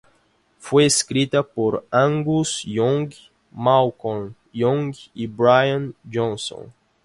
Fue escrita por Angus Young, Malcolm Young y Brian Johnson.